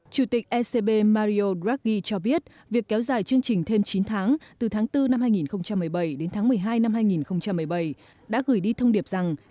chủ tịch ecb mario dragi cho biết việc kéo dài chương trình thêm chín tháng từ tháng bốn năm hai nghìn một mươi bảy đến tháng một mươi hai năm hai nghìn một mươi bảy đã gửi đi thông điệp rằng